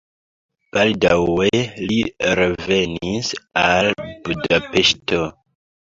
Baldaŭe li revenis al Budapeŝto.